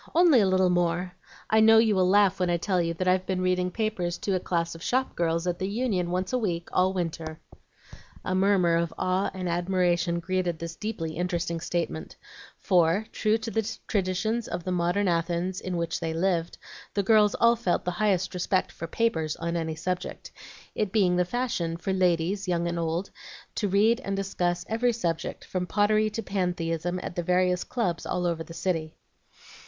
"Only a little more. I know you will laugh when I tell you that I've been reading papers to a class of shop girls at the Union once a week all winter." A murmur of awe and admiration greeted this deeply interesting statement; for, true to the traditions of the modern Athens in which they lived, the girls all felt the highest respect for "papers" on any subject, it being the fashion for ladies, old and young, to read and discuss every subject, from pottery to Pantheism, at the various clubs all over the city.